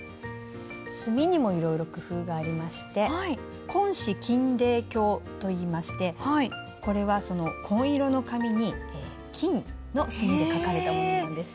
墨にもいろいろ工夫がありまして紺紙金泥経といいましてこれは紺色の紙に金の墨で書かれたものなんです。